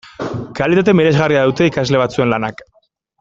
Kalitate miresgarria dute ikasle batzuen lanak.